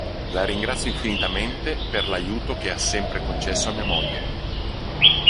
La ringrazio infinitamente per l'aiuto che ha sempre concesso a mia moglie.